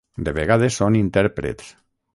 De vegades, són intèrprets.